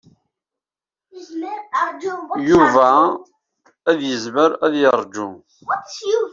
Yuba ad yezmer ad yeṛju.